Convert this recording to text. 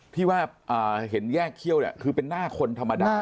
ที่ว่าเห็นแยกเขี้ยวเนี่ยคือเป็นหน้าคนธรรมดา